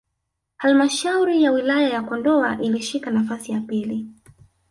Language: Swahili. halmshauri ya wilaya ya Kondoa ilishika nafasi ya pili